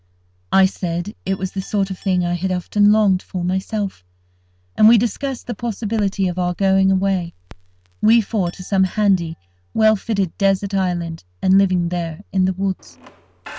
I said it was the sort of thing I had often longed for myself; and we discussed the possibility of our going away, we four, to some handy, well fitted desert island, and living there in the woods.